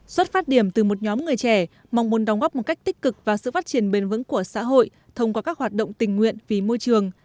xuất phát điểm từ một nhóm người trẻ mong muốn đóng góp một cách tích cực và sự phát triển bền vững của xã hội thông qua các hoạt động tình nguyện vì môi trường